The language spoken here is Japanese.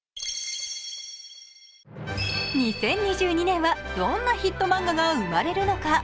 ２０２２年はどんなヒット漫画が生まれるのか？